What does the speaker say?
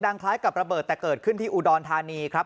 คล้ายกับระเบิดแต่เกิดขึ้นที่อุดรธานีครับ